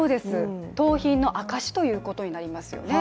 盗品の証しということになりますよね。